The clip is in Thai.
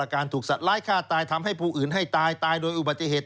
การถูกสัตว์ร้ายฆ่าตายทำให้ผู้อื่นให้ตายตายโดยอุบัติเหตุ